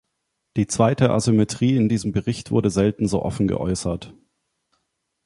Die zweite Asymmetrie in diesem Bericht wurde selten so offen geäußert.